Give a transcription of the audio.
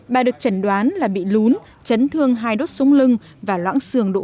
bà được chẩn đoán là bị lún chấn thương hai đốt súng lưng và loãng xương độ hai